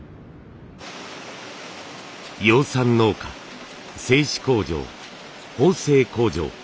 養蚕農家製糸工場縫製工場。